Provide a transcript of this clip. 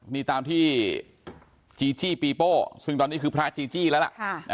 นี่ตามที่จีจี้ปีโป้ซึ่งตอนนี้คือพระจีจี้แล้วล่ะ